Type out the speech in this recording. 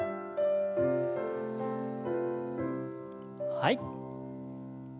はい。